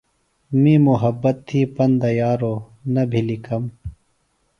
می محبت تھی پندہ یارو نہ بھلی کم۔